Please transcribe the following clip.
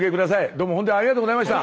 どうも本当にありがとうございました。